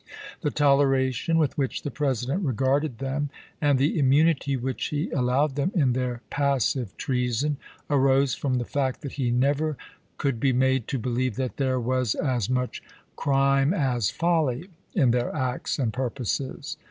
The toleration with which the President regarded them, and the immunity which he allowed them in their passive treason, arose from the fact that he never could be made to believe that there was as much crime as folly in their acts and purposes.